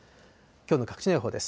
きょうの各地の予報です。